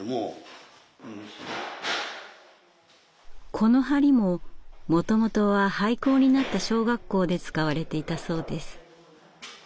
この梁ももともとは廃校になった小学校で使われていたそうです。